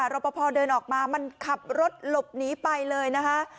รอปภเดินออกมามันขับรถหลบหนีไปเลยนะคะ